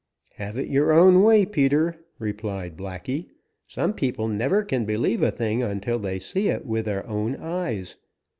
"Have it your own way, Peter," replied Blacky. "Some people never can believe a thing until they see it with their own eyes.